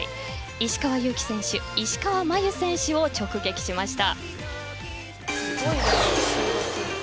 石川祐希選手、石川真佑選手を直撃しました。